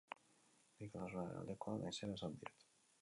Nik Osasunaren aldekoa naizela esaten diet.